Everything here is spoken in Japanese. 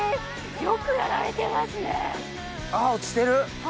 よくやられてますね・あっ落ちてる。